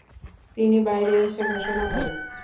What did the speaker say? তিনি বাইরে এসে ঘোষণা করেন